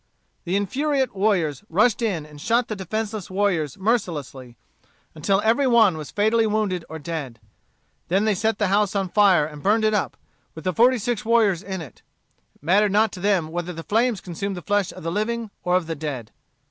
The infuriate soldiers rushed in and shot the defenceless warriors mercilessly, until every one was fatally wounded or dead. They then set the house on fire and burned it up, with the forty six warriors in it. It mattered not to them whether the flames consumed the flesh of the living or of the dead.